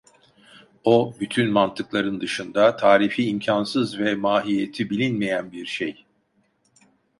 O, bütün mantıkların dışında, tarifi imkânsız ve mahiyeti bilinmeyen bir şey.